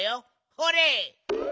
ほれ！